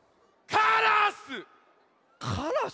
からす？